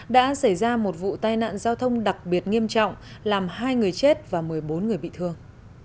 đã xảy ra một vụ tai nạn giao thông đặc biệt nghiêm trọng làm hai người chết và một mươi bốn người bị thương